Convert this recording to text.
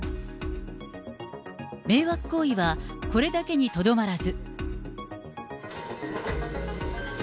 迷惑行為はこれだけにとどまらず。